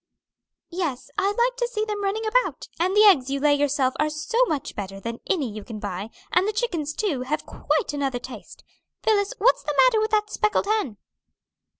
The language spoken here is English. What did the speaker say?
"Yes, I like to see them running about, and the eggs you lay yourself are so much better than any you can buy, and the chickens, too, have quite another taste. Phillis, what's the matter with that speckled hen?"